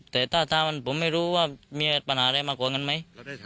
แต่ตราตามันผมไม่รู้ว่าวิมีปัญหาไหนมากกว่าไง